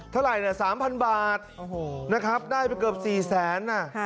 เท่าไหร่๓๐๐๐บาทนะคือเกือบ๔๐๐๐๐๐บาท